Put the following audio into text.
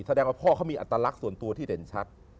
แสดงว่าพ่อเขามีอัตลักษณ์ส่วนตัวที่เด่นชัด